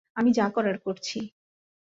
আমি যা করার করছি।